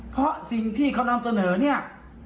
เพราะสิ่งที่เขานำเสนอเนี่ย